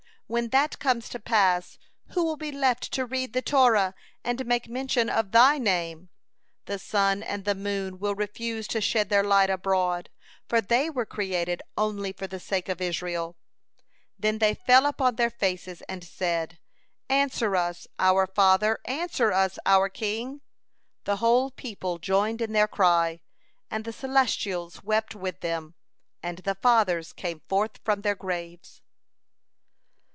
When that comes to pass, who will be left to read the Torah and make mention of Thy name? The sun and the moon will refuse to shed their light abroad, for they were created only for the sake of Israel." Then they fell upon their faces, and said: "Answer us, our Father, answer us, our King." The whole people joined in their cry, and the celestials wept with them, and the Fathers came forth from their graves.